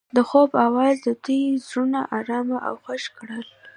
د خوب اواز د دوی زړونه ارامه او خوښ کړل.